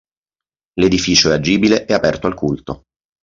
L'edificio è agibile ed aperto al culto.